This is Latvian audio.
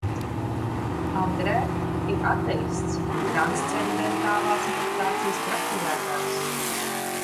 Andrē ir ateists un trancendentālās meditācijas praktizētājs.